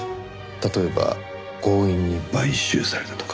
例えば強引に買収されたとか。